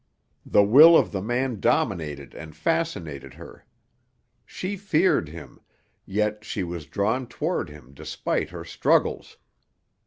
The will of the man dominated and fascinated her. She feared him, yet she was drawn toward him despite her struggles.